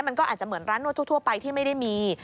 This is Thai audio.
มันก็อาจจะเหมือนร้านนวดทั่วไปที่ไม่ได้มี